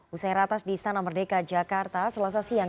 usai ratas di istana merdeka jakarta selasa siang